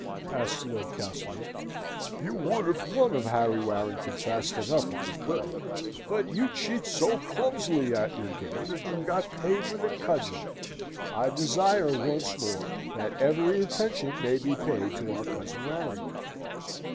asks Lord Castlewood. "You would have won of Harry Warrington fast enough, if you could; but you cheat so clumsily at your game that you got paid with a cudgel. I desire, once more, that every attention may be paid to our cousin Warrington."